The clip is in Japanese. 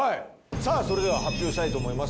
さあそれでは発表したいと思います。